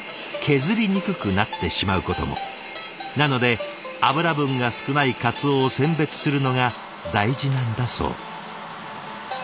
なので脂分が少ない鰹を選別するのが大事なんだそう。